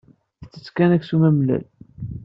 Tettett kan aksum amellal.